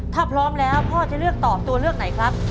ถ้าพร้อมแล้วพ่อจะเลือกตอบตัวเลือกไหนครับ